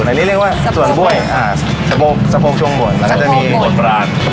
อันนี้เรียกว่าส่วนบ้วยอ่าสะโพกสะโพกช่วงหมดแล้วก็จะมีสะโพกหมดปราน